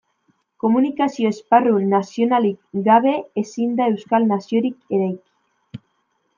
Komunikazio esparru nazionalik gabe, ezin da euskal naziorik eraiki.